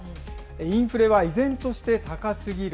インフレは依然として高すぎる。